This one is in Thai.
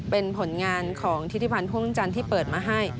เป็นผลงานของทิศิพันธ์พ่วงจันทร์ที่เปิดมาให้